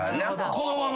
このまま。